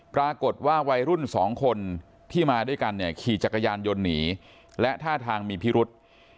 ปรากฏว่าวัยรุ่นสองคนที่มาด้วยกันขี่จักรยานยนต์หนีและท่าทางมีพิรุธ